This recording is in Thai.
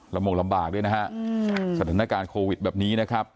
โมงลำบากด้วยนะฮะสถานการณ์โควิดแบบนี้นะครับ